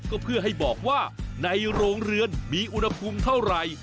ก็เพื่อให้บอกว่าในโรงเรือนมีอุณหภูมิเท่าไหร่